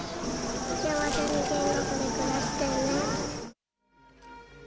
幸せに天国で暮らしてね。